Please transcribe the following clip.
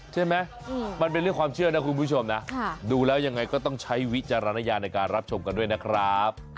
ใช่ไหมมันเป็นเรื่องความเชื่อนะคุณผู้ชมนะดูแล้วยังไงก็ต้องใช้วิจารณญาณในการรับชมกันด้วยนะครับ